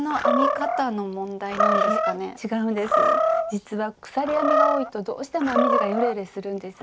実は鎖編みが多いとどうしても編み地がヨレヨレするんです。